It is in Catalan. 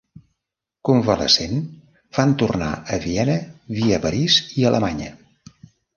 Convalescent, van tornar a Viena, via París i Alemanya.